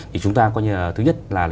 thì chúng ta thứ nhất là